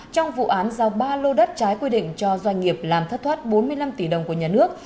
trong vụ án giao ba lô đất trái quy định cho doanh nghiệp làm thất thoát bốn mươi năm tỷ đồng của nhà nước